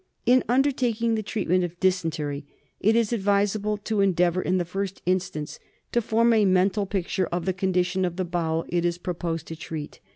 In undertaking the treatment of Dysentery it is ad visable to endeavour in the first instance to form a mental picture of the condition of the bowel it is proposed to treat.